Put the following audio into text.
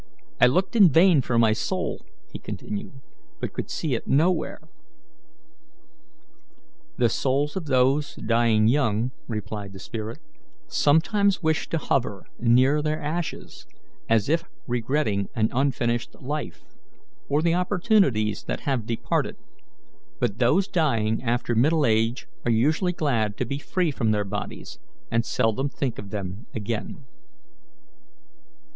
I looked in vain for my soul," he continued, "but could see it nowhere." "The souls of those dying young," replied the spirit, "sometimes wish to hover near their ashes as if regretting an unfinished life, or the opportunities that have departed; but those dying after middle age are usually glad to be free from their bodies, and seldom think of them again."